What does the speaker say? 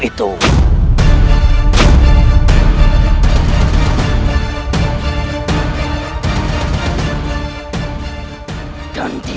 ketika dia menangis